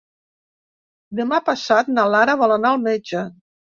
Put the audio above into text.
Demà passat na Lara vol anar al metge.